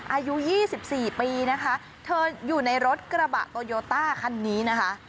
อายุ๒๔ปีนะคะเธออยู่ในรถกระบะโตโยต้าคันนี้นะคะ